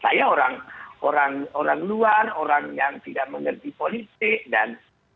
saya orang luar orang yang tidak mengerti politik dan